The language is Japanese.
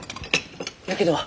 やけどは？